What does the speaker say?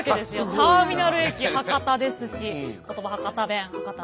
ターミナル駅博多ですし言葉博多弁博多